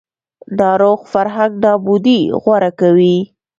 ناروغ فرهنګ نابودي غوره کوي